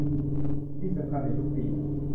ที่สำคัญในทุกปี